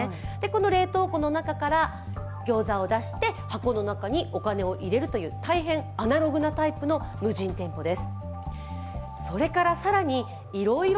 冷凍庫の中からギョーザを出して、箱の中にお金を入れるという大変アナログなタイプの無人店舗です。